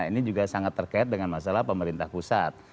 ini juga sangat terkait dengan masalah pemerintah pusat